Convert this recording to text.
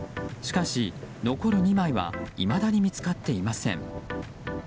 しかし、残る２枚はいまだに見つかっていません。